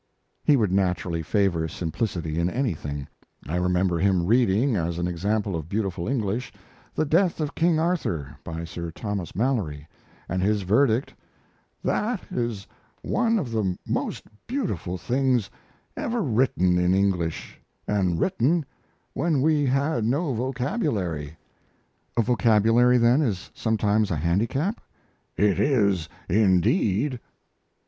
He would naturally favor simplicity in anything. I remember him reading, as an example of beautiful English, The Death of King Arthur, by Sir Thomas Malory, and his verdict: "That is one of the most beautiful things ever written in English, and written when we had no vocabulary." "A vocabulary, then, is sometimes a handicap?" "It is indeed."